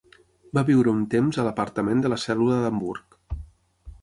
Va viure un temps a l'apartament de la cèl·lula d'Hamburg.